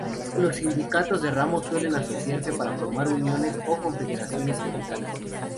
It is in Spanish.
Los sindicatos de ramo suelen asociarse para formar uniones o confederaciones sindicales.